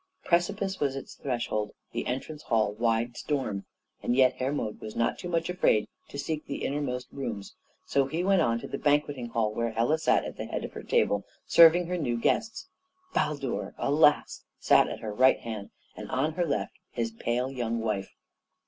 Precipice was its threshold, the entrance hall, Wide Storm, and yet Hermod was not too much afraid to seek the innermost rooms; so he went on to the banqueting hall, where Hela sat at the head of her table serving her new guests. Baldur, alas! sat at her right hand, and on her left his pale young wife.